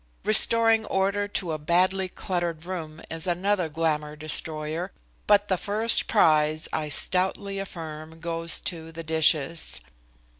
Restoring order to a badly cluttered room is another glamour destroyer, but the first prize, I stoutly affirm, goes to the dishes.